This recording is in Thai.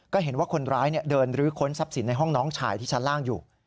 ก็เห็นว่าคนร้ายเดินลื้อค้นทรัพย์สินในห้องน้องชายที่ชั้นล่างอยู่